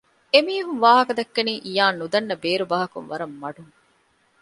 އެމީހުން ވާހަކަދައްކަނީ އިޔާން ނުދަންނަ ބޭރު ބަހަކުން ވަރަށް މަޑުން